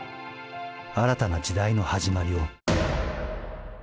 新たな時代の始まりを。